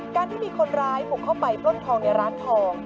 การที่มีคนร้ายบุกเข้าไปปล้นทองในร้านทอง